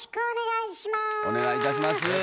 お願いいたします。